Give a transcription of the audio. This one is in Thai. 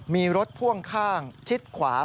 มีรถพ่วงข้างชิดขวา